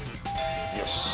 よし！